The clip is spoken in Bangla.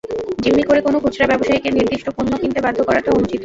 জিম্মি করে কোনো খুচরা ব্যবসায়ীকে নির্দিষ্ট পণ্য কিনতে বাধ্য করাটা অনুচিত।